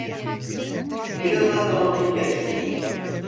Biraz daha zamana ihtiyacım var.